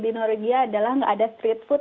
di norgia adalah nggak ada street food